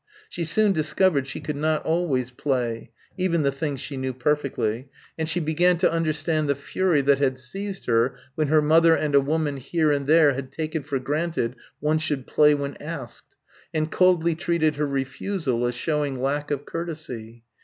She soon discovered she could not always "play" even the things she knew perfectly and she began to understand the fury that had seized her when her mother and a woman here and there had taken for granted one should "play when asked," and coldly treated her refusal as showing lack of courtesy.